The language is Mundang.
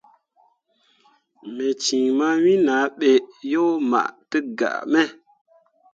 Me cin mawen ah ɓe yo mah tǝgaa me.